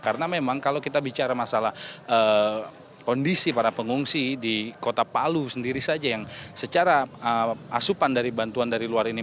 karena memang kalau kita bicara masalah kondisi para pengungsi di kota palu sendiri saja yang secara asupan dari bantuan dari luar ini